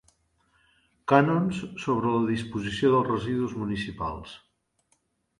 Cànons sobre la disposició dels residus municipals.